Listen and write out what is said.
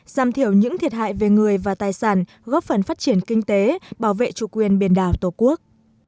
đánh thiệt hại về người và tài sản góp phần phát triển kinh tế bảo vệ chủ quyền biển đảo tổ quốc